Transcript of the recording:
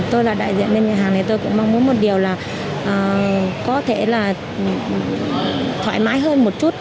tôi là đại diện bên nhà hàng này tôi cũng mong muốn một điều là có thể là thoải mái hơn một chút